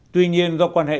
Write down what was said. tuy nhiên do quan hệ